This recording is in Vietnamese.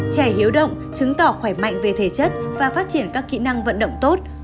trẻ hiếu động chứng tỏ khỏe mạnh về thể chất và phát triển các kỹ năng vận động tốt